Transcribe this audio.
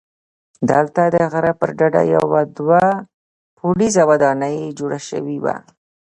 دلته د غره پر ډډه یوه دوه پوړیزه ودانۍ جوړه شوې وه.